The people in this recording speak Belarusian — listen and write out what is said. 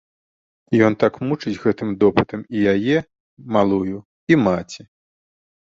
Ён так мучыць гэтым допытам і яе, малую, і маці.